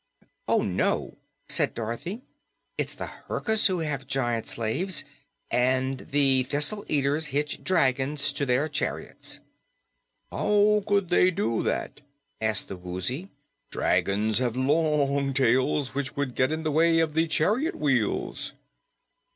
"Oh no," said Dorothy, "it's the Herkus who have giant slaves, and the Thistle Eaters hitch dragons to their chariots." "How could they do that?" asked the Woozy. "Dragons have long tails, which would get in the way of the chariot wheels."